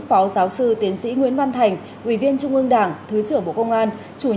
phó giáo sư tiến sĩ nguyễn văn thành ủy viên trung ương đảng thứ trưởng bộ công an